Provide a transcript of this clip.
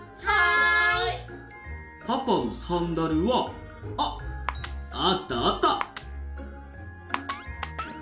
パパのサンダルはあっあったあった！